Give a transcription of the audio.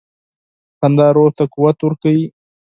• خندا روح ته قوت ورکوي.